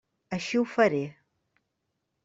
Així ho faré.